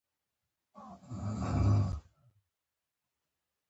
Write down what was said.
که ښه خبرې وکړې، دوستان به درسره وي